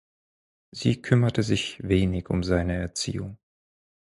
Sie kümmerte sich wenig um seine Erziehung.